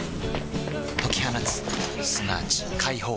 解き放つすなわち解放